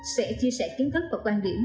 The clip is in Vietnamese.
sẽ chia sẻ kiến thức và quan điểm